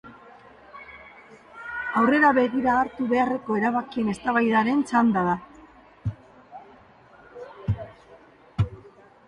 Aurrera begira hartu beharreko erabakien eztabaidaran txanda da.